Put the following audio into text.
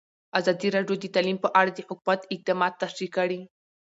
ازادي راډیو د تعلیم په اړه د حکومت اقدامات تشریح کړي.